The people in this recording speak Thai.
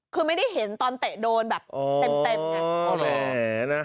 คือไม่ได้เห็นตอนเตะโดนแบบเต็มเต็มอ๋อแหละน่ะ